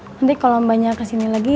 nanti kalau mbaknya kesini lagi